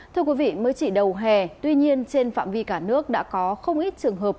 thưa quý vị mới chỉ đầu hè tuy nhiên trên phạm vi cả nước đã có không ít trường hợp